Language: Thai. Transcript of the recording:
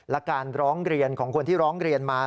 และการร้องเรียนของคนที่ร้องเรียนมา